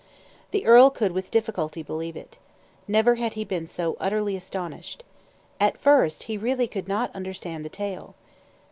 The earl could with difficulty believe it. Never had he been so utterly astonished. At first he really could not understand the tale.